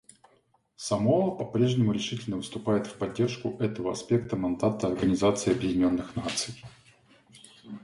Самоа по-прежнему решительно выступает в поддержку этого аспекта мандата Организации Объединенных Наций.